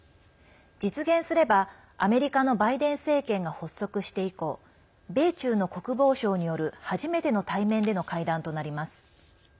実現すれば、アメリカのバイデン政権が発足して以降米中の国防相による初めての対面での会談となります。